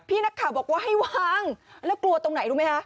นักข่าวบอกว่าให้วางแล้วกลัวตรงไหนรู้ไหมคะ